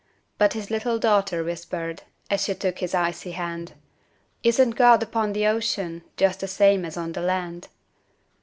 But his little daughter whispered, As she took his icy hand, "Isn't God upon the ocean, Just the same as on the land?"